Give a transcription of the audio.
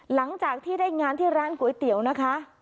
หลังจากที่ได้งานที่ร้านก๋วยเตี๋ยวนะคะ